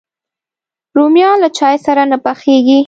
رومیان له چای سره نه پخېږي